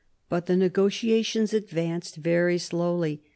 But the negotiations advanced very slowly.